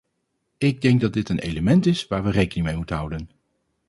Ik denk dat dit een element is waar we rekening mee moeten houden.